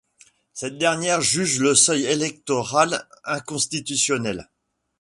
Cette dernière juge le seuil électoral inconstitutionnel.